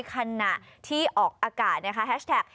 ขณะที่ออกอากาศนะคะแฮชแท็ก